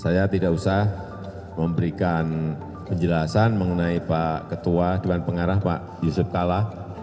saya tidak usah memberikan penjelasan mengenai pak ketua dewan pengarah pak yusuf kalla